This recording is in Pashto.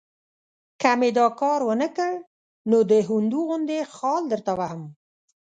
که مې دا کار ونه کړ، نو د هندو غوندې خال درته وهم.